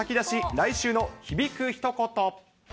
来週の響く一言。